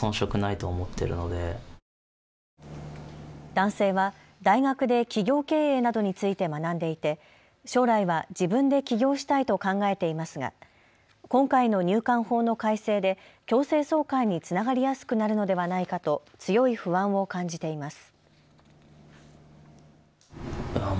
男性は大学で企業経営などについて学んでいて将来は自分で起業したいと考えていますが今回の入管法の改正で強制送還につながりやすくなるのではないかと強い不安を感じています。